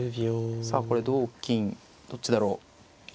さあこれ同金どっちだろう。